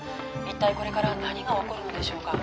一体これから何が起こるのでしょうか？